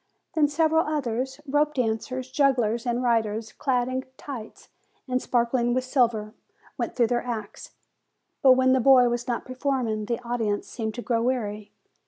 Then several others, rope dancers, jugglers, and riders, clad in tights, and sparkling with silver, went through their acts; but when the boy was not performing, the audience seemed to grow weary.